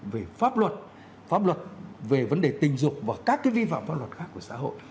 về pháp luật pháp luật về vấn đề tình dục và các vi phạm pháp luật khác của xã hội